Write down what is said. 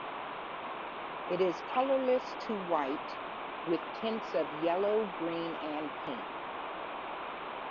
It is colorless to white with tints of yellow, green and pink.